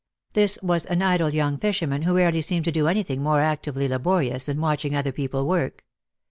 This was an idle young fisherman, who rarely seemed to do anything more actively laborious than watching other people work.